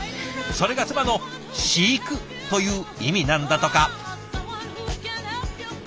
それが妻の「飼育」という意味なんだとか。